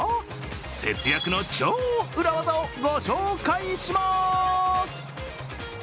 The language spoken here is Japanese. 節約の超裏技をご紹介します。